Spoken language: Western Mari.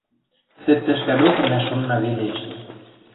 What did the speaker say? Тӹ тӹшкӓ докы мӓ шонна веле эче.